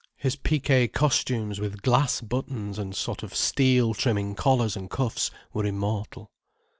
His piqué costumes with glass buttons and sort of steel trimming collars and cuffs were immortal.